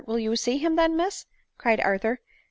will you see him then, Miss?" cried Arthur.